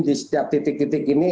di setiap titik titik ini